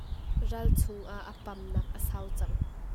Ral chungah a pamnak a sau cang.